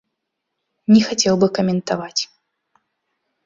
Не хацеў бы каментаваць.